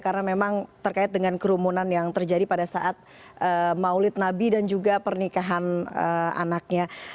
karena memang terkait dengan kerumunan yang terjadi pada saat maulid nabi dan juga pernikahan anaknya